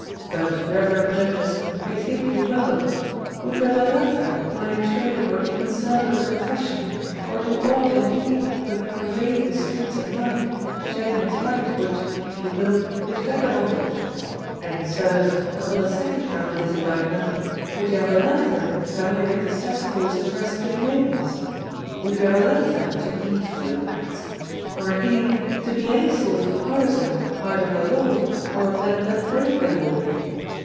But, reverend Judges, bethink you well: Would you have a lanthorn ply a trade or be concerned with a profession, or do aught indeed but pervade the streets at night, shedding its light, which, if you will, is vagabondage? And, Sirs, upon the second count of this indictment: Would you have a lanthorn dive into cesspools to rescue maidens? Would you have a lanthorn to beat footpads? Or, indeed, to be any sort of partisan either of the Law or of them that break the Law?